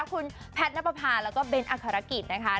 คุณแพทย์นับประพาแล้วก็เบ้นอักษรกิจนะคะ